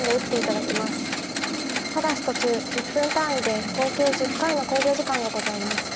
ただし途中１分単位で合計１０回の考慮時間がございます。